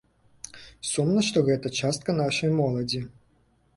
Сумна, што гэта частка нашай моладзі.